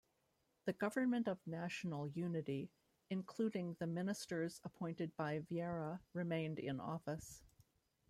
The Government of National Unity, including the ministers appointed by Vieira, remained in office.